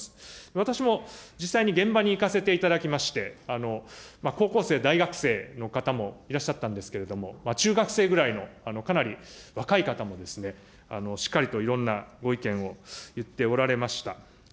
私も実際に現場に行かせていただきまして、高校生、大学生の方もいらっしゃったんですけれども、中学生ぐらいのかなり若い方もですね、しっかりといろんなご意見を言っておられました。